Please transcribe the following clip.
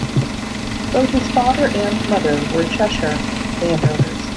Both his father and mother were Cheshire landowners.